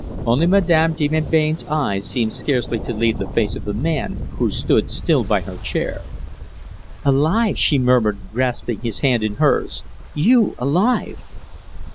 Only Madame de Melbain's eyes seemed scarcely to leave the face of the man who stood still by her chair. "Alive!" she murmured, grasping his hand in hers. "You alive!"